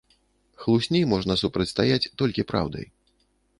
Хлусні можна супрацьстаяць толькі толькі праўдай.